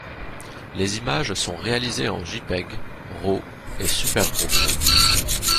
Les images sont réalisées en Jpeg, Raw et SuperRaw.